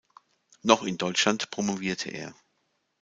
Noch in Deutschland promovierte er.